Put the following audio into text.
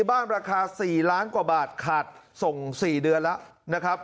บ้านราคา๔ล้านกว่าบาทขาดส่ง๔เดือนแล้วนะครับ